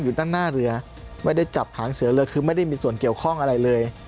อยู่ด้านหน้าเรือไม่ได้จับหางเสือเรือคือไม่ได้มีส่วนเกี่ยวข้องอะไรเลย